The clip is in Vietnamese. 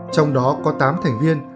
trong đó có tám thành viên